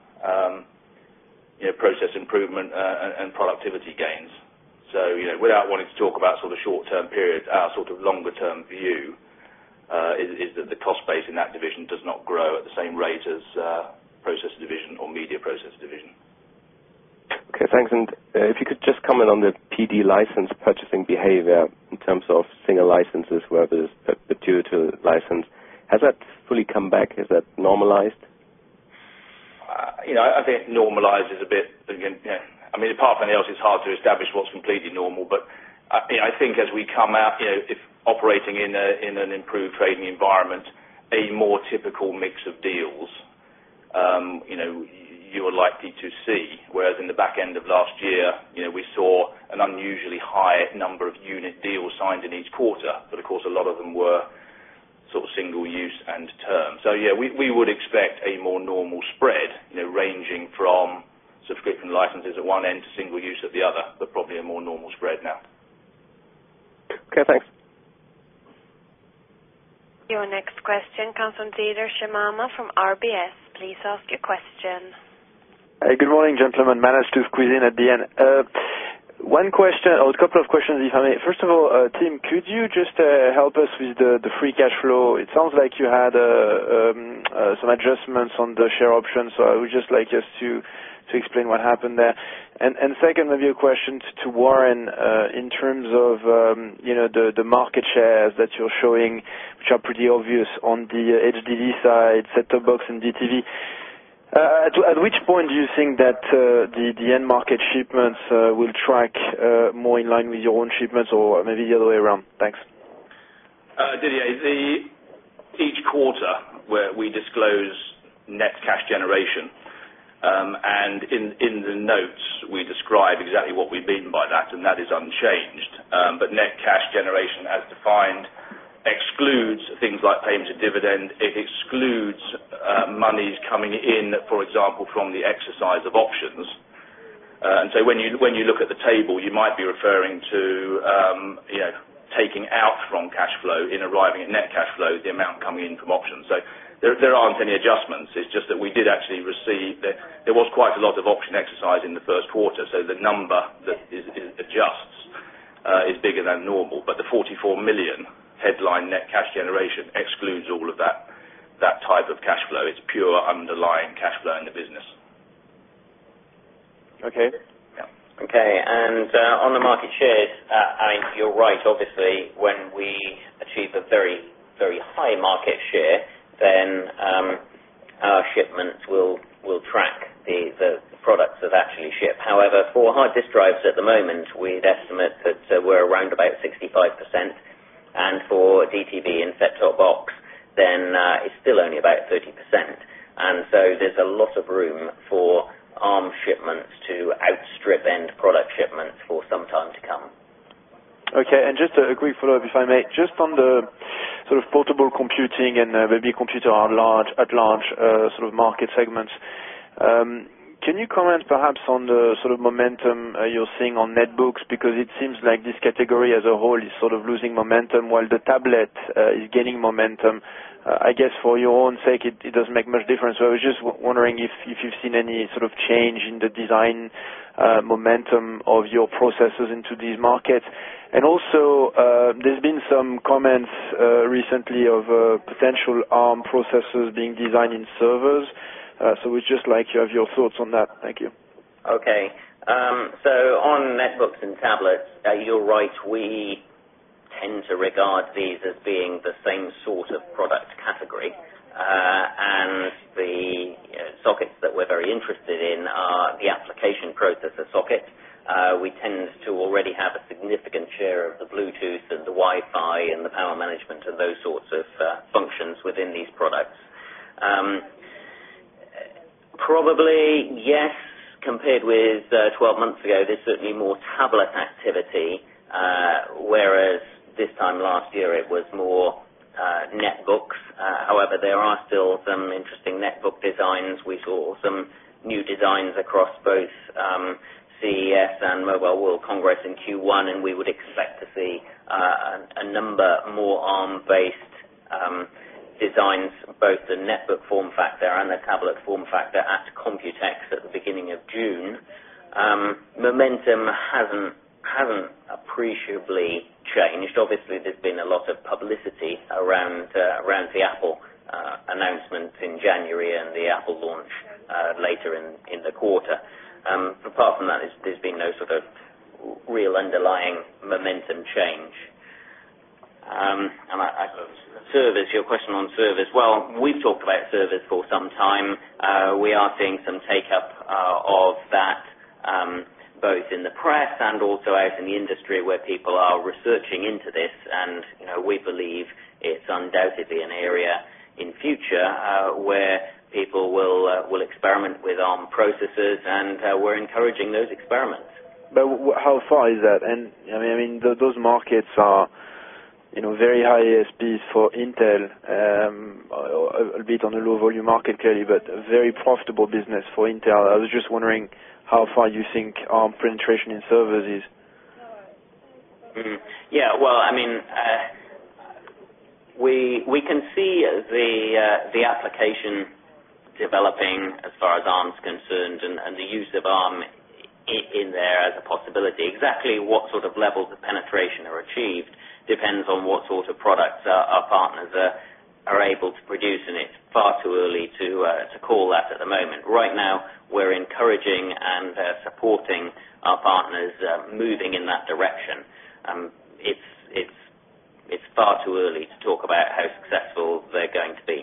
process improvement and productivity gains. So without wanting to talk about sort of short term periods, our sort of longer term view is that the cost base in that division does not grow at the same rate as process division or media process division. Okay. Thanks. And if you could just comment on the PD license purchasing behavior, in terms of single licenses, where there's a due to license, has that fully come back? Is that normalized? I think normalizes a bit. I mean, apart from else, it's hard to establish what's completely normal, but I think as we come out, if operating in an improved trading environment, a more typical mix of deals. You are likely to see whereas in the back end of last year, we saw an unusually high number of unit deals signed in each quarter, but of course a lot of them were sort of single use and term. So yeah, we would expect a more normal spread ranging from subscription licenses at one end to single of the other, but probably a more normal spread now. Okay, thanks. Your next question comes from Cedar Shimama from RBS. Please ask your question. Hi, good morning, gentlemen. Manas, 2, squeeze in at the end. One question, I was a couple of questions if I may. First of all, team, could you just help us with the free cash flow? It sounds like you had some adjustments on the share option. So I would just like us to explain what happened there? And second of your questions to Warren, in terms of, the market shares that you're showing are pretty obvious on the HDV side, set top box and DTV. At which point do you think that the end market shipment will track more in line with your own shipments or maybe the other way around? Thanks. Each quarter where we disclose net cash generation. And in the notes, we describe exactly what we've been by that and that is unchanged. But net cash generation as defined excludes things like payment of dividend. It excludes monies coming in for example from the exercise of options. And so when you look at the table, you might be referring to taking out from cash flow in arriving at net cash flow, the amount coming in from options. So there aren't any adjustments. It's just that we did actually receive was quite a lot of option exercise in the first quarter. So the number that adjusts is bigger than normal, but the 44,000,000 headline net cash generation excludes all of that type of cash flow. It's pure underlying cash flow in the business. Okay. Okay. And on the market shares, I think you're right, obviously, when we achieve a very very high market share, then our shipments will track the products that actually shipped. However, for hard disk drives at the moment, with estimate that we're around about 65% and for DTB in set top box, then it's still only about 30% And so there's a lot of room for arm shipments to outstrip end product shipments for some time to come. Okay. And just a quick follow-up, if I may. Just on the sort of portable computing and maybe computer at large sort of market segments, Can you comment perhaps on the sort of momentum you're seeing on netbooks? Because it seems like this category as a whole is sort of losing momentum while the tablet is gaining momentum. I guess for your own sake, it doesn't make much difference. So I was just wondering if you've seen any sort of change in the design momentum of your processes into these markets? And also, there's been some comments of potential armed processes being designed in servers. So we just like you have your thoughts on that. Thank you. Okay. So on netbooks and tablets, you're right. We tend to regard these as being the same sort of product category. And the sockets that we're very interested in are the application growth of the socket. We tend to already have significant share of the Bluetooth and the Wi Fi and the power management and those sorts of functions within these products. Probably, yes, compared with 12 months ago, there's certainly more tablet activity, whereas this time last year, it was more netbooks. However, there are still some interesting net book designs we saw. New designs across both CES and Mobile World Congress in Q1 and we would expect to see a number more ARM based designs both the net book form factor and the tablet form factor at Computex at the beginning of June momentum hasn't appreciably changed. Obviously, there's been a lot of publicity around the Apple announcements in January and the Apple launch later in the quarter. And apart from that, there's been no sort of real underlying momentum change. And I sort of service your question on service. Well, we've talked about service for some time We are seeing some take up of that both in the press and also out in the industry where people are researching into their and we believe it's undoubtedly an area in future where people will experiment with processes and we're encouraging those experiments. But how far is that? And I mean, those markets are very high ASPs for Intel, a bit on the low volume market clearly, but a very profitable business for Intel. I was just wondering how far do you think our penetration in services? Yeah. Well, I mean, we can see the application developing as far as arms concerned and the use of arm in there as a possibility exactly what sort of levels the penetration are achieved depends on what sort of products our partners are are able to produce in it far too early to call that at the moment. Right now, we're encouraging and supporting our partners moving in that direction. It's far too early to talk about how successful they're going to be.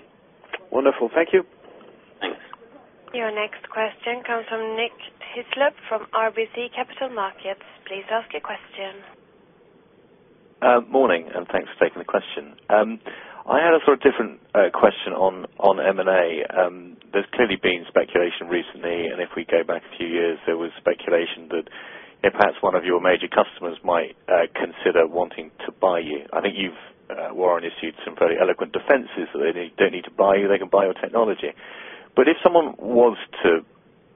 Wonderful. Thank you. Thanks. Your next question comes from Nick Hyslop from RBC Capital Markets. Please ask your question. Morning and thanks for taking the question. I had a sort of different question on M and A. There's clearly been speculation and if we go back a few years, there was speculation that perhaps one of your major customers might consider wanting to buy you. I think you've warren issued some very eloquent defenses so they don't need to buy you. They can buy your technology. But if someone wants to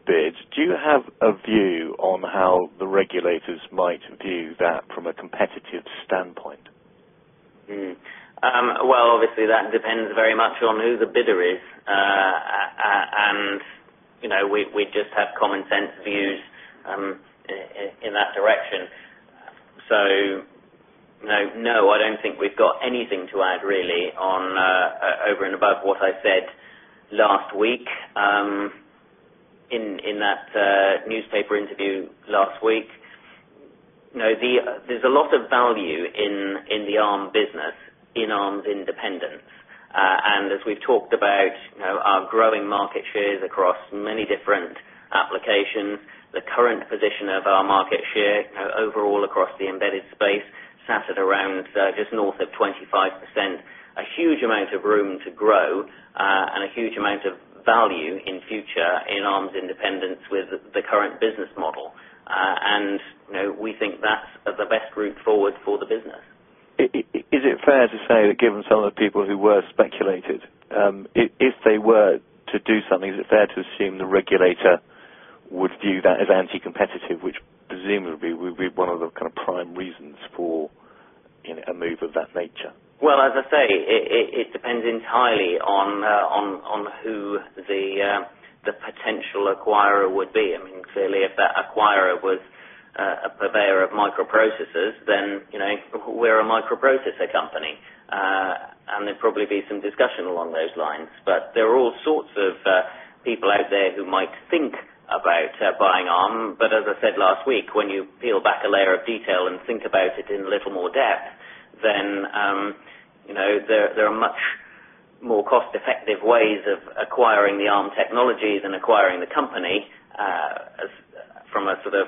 bids, do you have a view on how the regulators might view that from a competitive standpoint? Well, obviously, that depends very much on who the bidder is. And we just have common sense views in that direction. So no, no, I don't think we've got anything to add really on over and above what I said last week, in that newspaper interview last week, there's a lot of value in the ARM business in ARM's independent. And as we've talked about our growing market shares across many different applications, the current position of our market share overall across the embedded space, sasset around just north of 25 percent, a huge amount of room to grow and a huge amount of value in future in arms independence with the current business model. And we think that's the best group forward for the business. Is it fair to say that given some of the people who were speculated? If they were to do something, is it fair to assume the regulator would view that as anti competitive, which presumably would be one of the kind of prime reasons for a move of that nature. Well, as I say, it depends entirely on who the potential acquirer would be. I mean, clearly, if that acquirer was a purveyor of microprocessors, then we're a microprocessor company, and there'd probably be some discussion along those lines. But there are all sorts of people out there who might think about buying on. But as I said last week, when you feel back a layer of detail and think about it in a little more depth, then, there are much more cost effective ways of acquiring the Arm Technologies and acquiring the company, from a sort of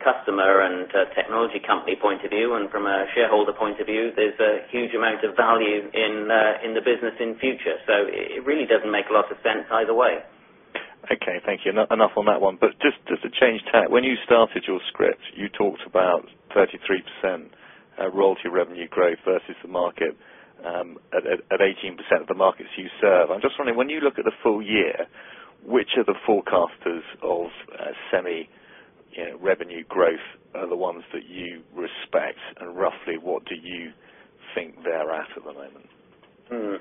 customer and technology company point of view. And from a shareholder point of view, there's a huge amount of value in the business in future. So it really doesn't make lot of sense either way. Okay. Thank you. Enough on that one. But just as a change tag, when you started your script, you talked about 33% royalty revenue growth versus the market, at 18% of the markets you serve. I'm just wondering when you look at the full year, which are the forecasters of semi revenue growth are the ones that you respect and roughly what do you think they're at at the moment? Ian,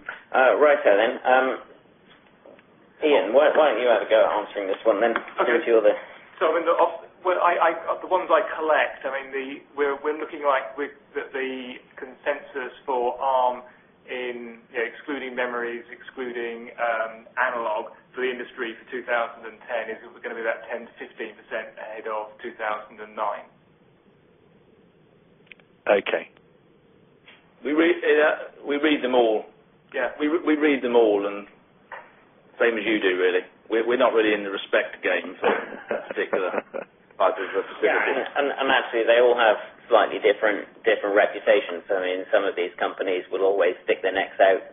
why don't you have a go answering this one then? So I mean, the ones I collect, I mean, the we're looking like with the consensus for harm in excluding memories, excluding, analog for the industry for 2010 is be about 10% to 15% ahead of 2009. Okay. We read them all. Yes, we read them all and same as you do, really. We're not really in the respect game particular. And actually, they all have slightly different reputations. I mean, some of these companies will always stick their necks out.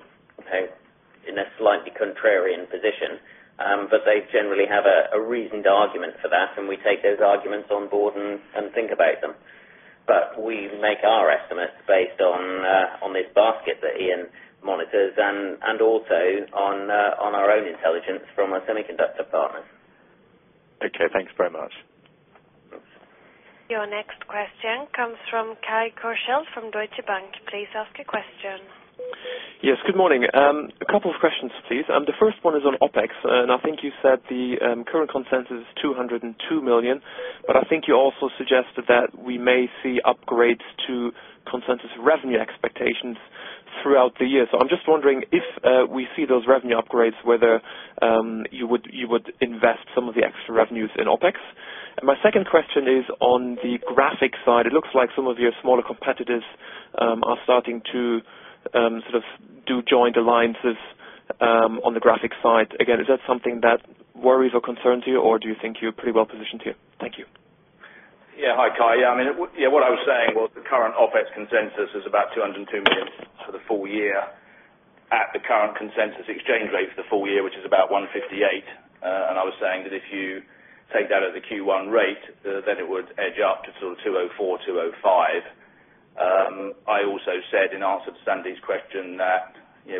In a slightly contrarian position. But they generally have a reasoned argument for that and we take those arguments on board and think about them. But we make our estimates based on this basket that Ian monitors and also on our own intelligence from a semiconductor partner. Okay. Thanks very much. Your next question comes from Kai Koshel from Deutsche Bank. Please ask your question. Yes, good morning. A couple of questions, please. The first one is on OpEx, and I think you said the current consensus 202,000,000, but I think you all suggested that we may see upgrades to consensus revenue expectations throughout the year. So I'm just wondering if we see those revenue upgrades, whether you would invest some of the extra revenues in OpEx? And my second question is on the graphic side. It looks like some of your smaller competitors are starting to sort of do joint alliances on the graphic side. Again, is that something that worries or concerns you? Or do you think you're pretty well positioned here? Thank you. Yes. Hi, Kai. I mean, what I was saying was the current OpEx consensus is about 202,000,000 for the full year at the current consensus exchange rate for the full year, which is about 1.58. And I was saying that if you take that as a Q1 rate, then it would edge up to sort of 204, 205. I also said in answer to Sandy's question that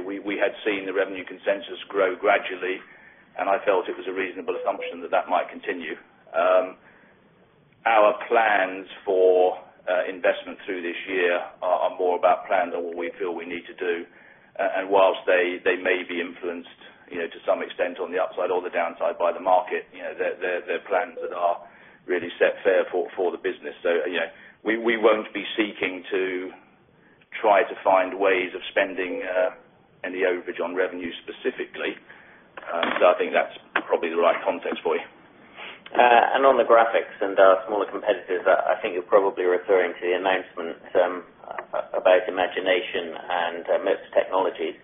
we had seen the revenue consensus grow gradually and I felt it was a reasonable assumption that that might continue. Our plans for investment through this year are more about plan than what we feel we need to do. And whilst they may be influenced to some extent on the upside or the downside by the market, their plans are really set for the business. So we won't be seeking to try to find ways of spending any overage on revenue specifically. So I think that's probably the right context for you. And on the graphics and smaller competitors, I think you're probably referring to the announcement about imagination and most technologies.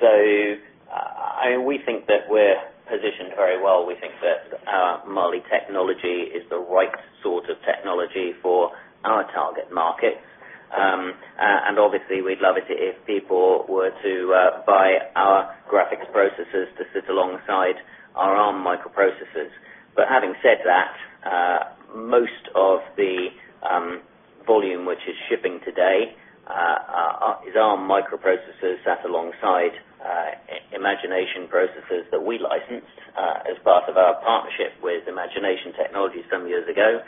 So I think we think that we're positioned very well. We think that Mali Technology is the right sort of technology for our target market. And obviously, we'd love it if people were to buy our graphics processes to sit alongside our own microprocesses. But having said that, most of the volume which is shipping today is our microprocessors set alongside imagination processes that we licensed as part of our partnership with Imagination Technology some years ago.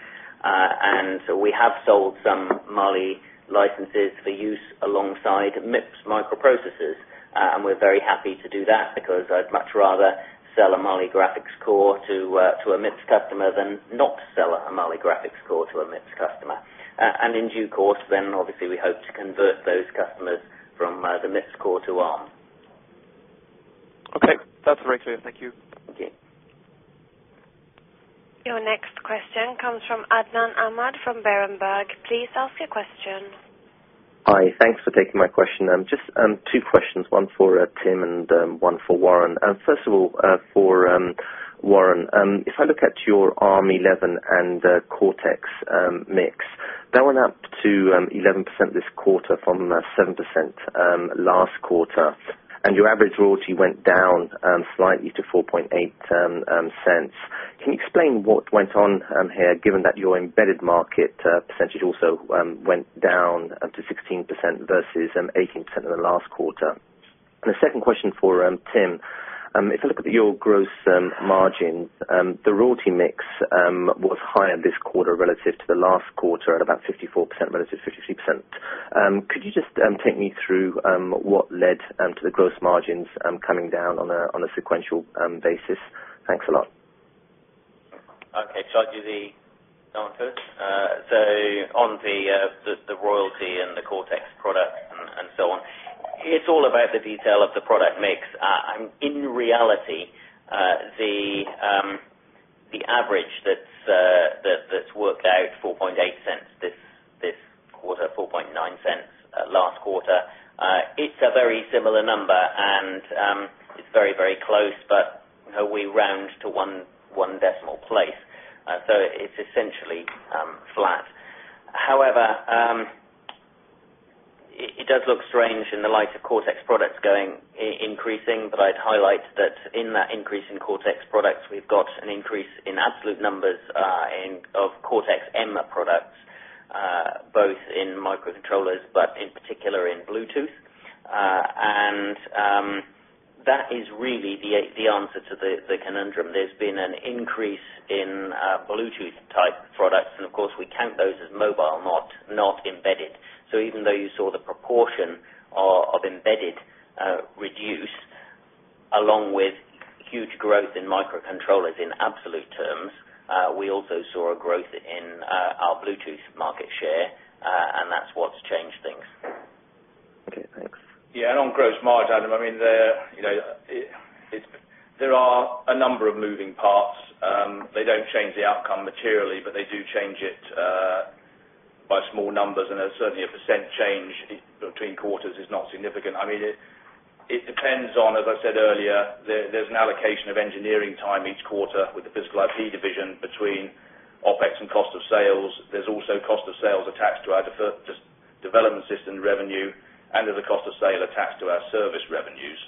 And so we have sold some Mali licenses for use alongside MIPS microprocesses. And we're very happy to do that because I'd much rather sell a Molly graphics core to a mixed customer than not sell a Molly graphics core to a mixed customer. And in due course then obviously we hope convert those customers from the missed quarter on. Your next question comes from Adnan Ahmed from Berenberg. Please ask your question. Hi, thanks for taking my question. Just two questions, one for him and one for Warren. And first of all, for Warren, if I look at your army 11 and the cortex mix, That went up to 11% this quarter from 7% last quarter. And your average royalty went down slightly to $4..8. Can you explain what went on here given that your embedded market percentage also went down to 18% versus 18% in the last quarter? And the second question for Tim, if you look at your gross margin The royalty mix was higher this quarter relative to the last quarter at about 54% relative to 50 3 percent. Could you just take me through what led to the gross margins coming down on a sequential basis? Down to it. So on the royalty and the Cortex product and so on, it's all about the detail of the product mix. I'm in reality, the, the average that's, that's worked out $0.048 this quarter0 $0.49 last quarter. It's a very similar number and it's very, very close, but we round to 1 one decimal place. So it's essentially flat. However, it does look strange in the light of Cortex products going increasing, but I'd highlight that in that increase in Cortex products, we've got an increase in absolute numbers and of Cortax Emma products, both in microcontrollers, but in particular in Bluetooth, And that is really the answer to the conundrum. There's been an increase in Bluetooth type products. And of course, we count those as mobile not embedded. So even though you saw the proportion of embedded, reduce, along with huge growth in microcontrollers in absolute terms, we also saw a growth in our Bluetooth market share. And that's what's changed things. Okay. Thanks. Yes. And on gross margin, I mean, there are a number of moving parts. They don't change the outcome materially, but they do change it by small numbers and there's certainly a percent change between quarters is not significant. I mean, it depends on, as I said earlier, there's an allocation of engineering time each quarter with the physical IP division between OpEx and cost of sales. There's also cost of sales attached to our deferred just development system revenue and as a cost of sale attached to our service revenues.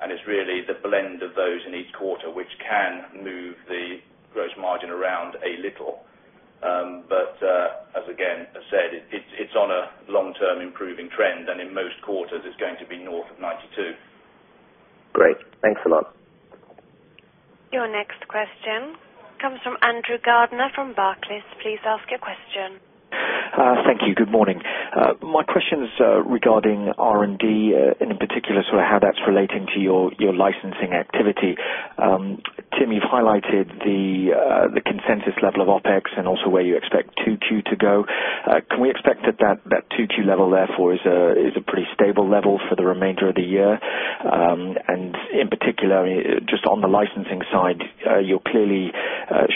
And it's really the blend of those in each quarter, which can move the gross margin around a little. But as again said, it's on a long term improving trend and in most quarters, it's going to be north of 92. Great. Thanks a lot. Your next question comes from Andrew Gardiner from Barclays. Thank you. Good morning. My question is regarding R and D, in particular, sort of how that's relating to your licensing activity. Tim, you've highlighted the consensus level of OpEx and also where you expect 2Q to go. Can we expect that that 2Q level therefore is pretty stable level for the remainder of the year. And in particular, just on the licensing side, you're clearly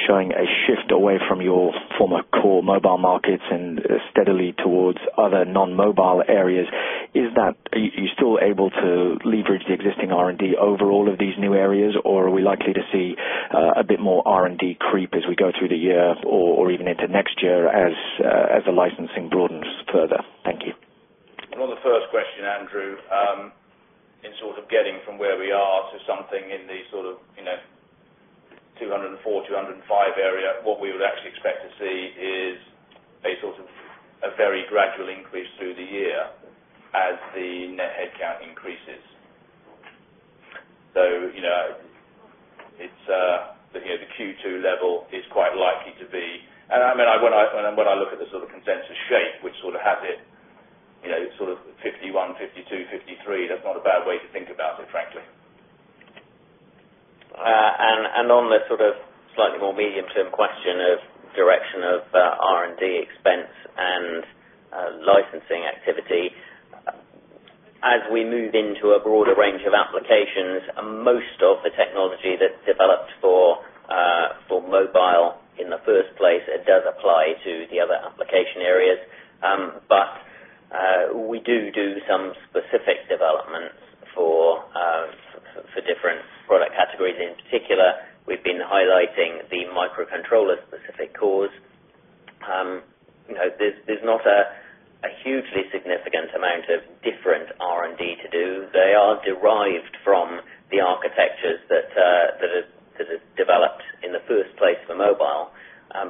showing a shift away from your former core mobile markets and steadily towards other non mobile areas. Is that are you still able to leverage the existing R and D overall of these new areas or are we likely to see a bit more R and D creep as we go through the year or even into next year as the licensing broadens further? Thank you. On the first question, Andrew, sort of getting from where we are to something in the sort of 204, 205 area. What we would actually expect to see is a sort of a very gradual increase through the year as the headcount increases. It's the Q2 level is quite likely to be. And when I look at the sort of consensus shape, which sort of has it sort of 51, 52, 53, that's not a bad way to think about it frankly. And on the sort of slightly more medium term question of direction of R&D expense and licensing activity. As we move into a broader range of applications, most of the technology that's developed for mobile in the first place, it does apply to the other application areas. But we do do some specific developments for different product categories in particular. We've been highlighting the microcontroller specific cause There's not a hugely significant amount of different R and D to do. They are derived from the architectures that are developed in the 1st place for mobile.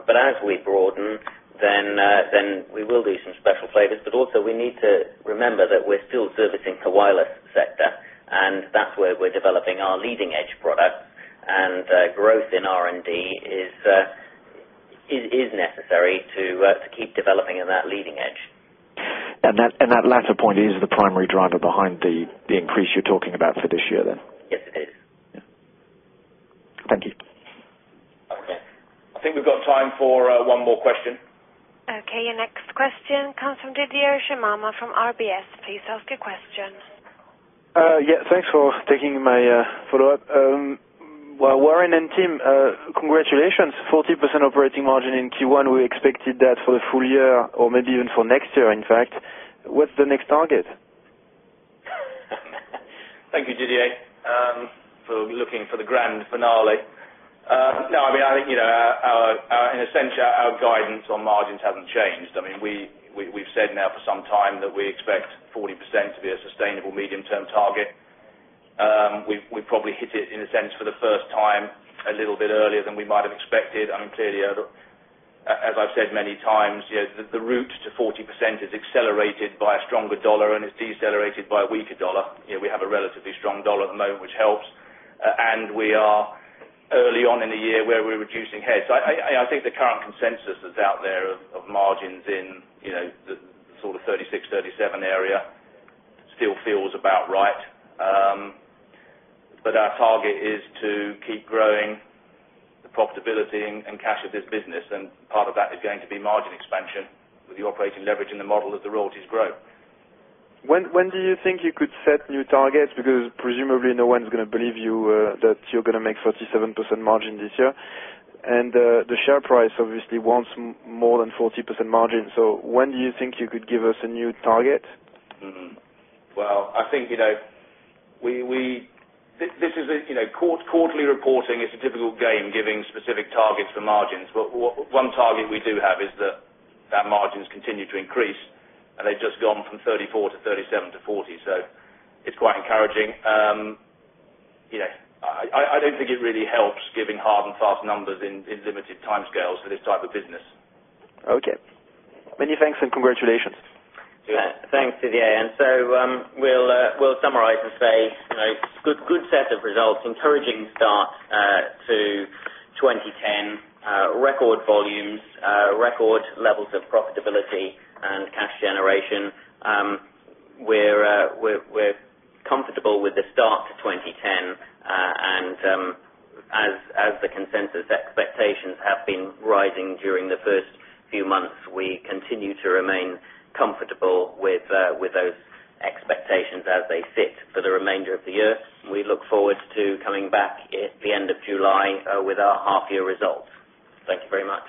But as we broaden, then we will do some special flavors, but also we need to remember that we're still servicing to wireless sector. And that's where we're developing our leading edge product and growth in R&D is necessary to keep developing in that leading edge. And that latter point is the primary driver behind the increase you're talking about for this year then? Okay. I think we've got time for one more question. Okay. Your next question comes from Didier Shimama from RBS. Please ask your question. Yes, thanks for taking my follow-up. Warren and team, congratulations, 40% of margin in Q1, we expected that for the full year or maybe even for next year. In fact, what's the next target? Thank you, Didier, for looking for the grand finale. No, I mean, I think, in a sense, our guidance on margins unchanged. I mean, we've said now for some time that we expect 40% to be a sustainable medium term target. We probably hit it in a sense for the first time a little bit earlier than we might have expected. I mean clearly as I've said many times, the route to 40% is accelerated by a stronger dollar and is decelerated by a weaker dollar. We have a relatively strong dollar at the moment, which helps. And we are early on in the year where we're reducing heads. I think the current consensus is out there of margins in the sort of 36, 37 area. Still feels about right. But our target is to keep growing the profitability and cash of this business. And part of that is going to be margin expansion with the operating leverage in the model as the royalties grow. When do you think you could set new targets? Because presumably no one's going to believe you, that you're going to make 47% margin this year. And the share price obviously wants more than 40% margin. So when do you think you could give us a new target? Well, I think we this is a quarterly reporting. It's a typical game giving specific targets for margins. One target we do have is that, that margins continue to increase. And they've just gone from 34 to 37 to 40. So it's quite encouraging. I don't think it really helps giving hard and fast numbers in limited time scales for this type of business. Okay. Many thanks and congratulations. Thanks to the A. And so, we'll, we'll summarize, I say, good, good set of results, encouraging start to 2010 record volumes, record levels of profitability and cash generation. We're comfortable with the start to 2010 and as the consensus expectations have been rising during the 1st few months we continue to remain comfortable with those expectations as they fit for the remainder of the year. We look forward to coming back at the end of July with our half year results. Thank you very much.